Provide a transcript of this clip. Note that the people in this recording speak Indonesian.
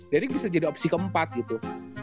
bisa jadi opsi keempat gitu